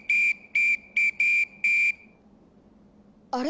あれ？